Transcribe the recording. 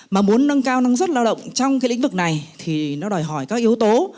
mà muốn nâng cao năng suất lao động trong cái lĩnh vực này thì nó đòi hỏi các yếu tố